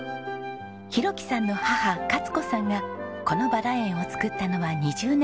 浩樹さんの母カツ子さんがこのバラ園を造ったのは２０年ほど前。